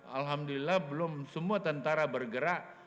alhamdulillah belum semua tentara bergerak